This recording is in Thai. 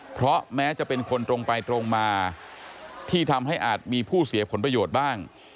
เพราะแม้จะเป็นคนตรงไปตรงมาที่ทำให้อาจมีผู้เสียผลประโยชน์บ้าง